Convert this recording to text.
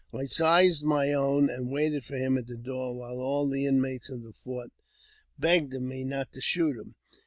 I seized my own, and waited for him at the door, while all the inmates of the fort begged of ma not to shoot him.